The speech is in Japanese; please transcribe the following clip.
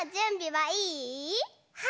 はい！